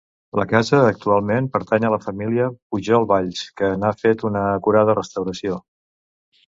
La casa actualment pertany a la família Pujol Valls, que n'ha fet una acurada restauració.